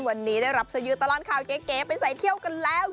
วันนี้ได้รับเสื้อยืดตลอดข่าวเก๋ไปใส่เที่ยวกันแล้ว